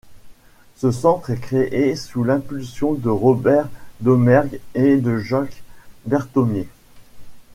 Ce centre est créé sous l'impulsion de Robert Domergue et de Jacques Berthommier.